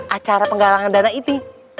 acara penggalangan dana itu